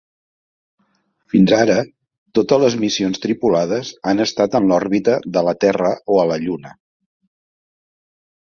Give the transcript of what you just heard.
Fins ara, totes les missions tripulades han estat en l'òrbita de la Terra o a la Lluna.